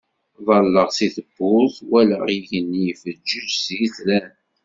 Ḍalleɣ si tewwurt walaɣ igenni ifeǧǧeǧ s yitran.